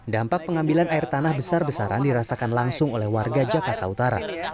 dampak pengambilan air tanah besar besaran dirasakan langsung oleh warga jakarta utara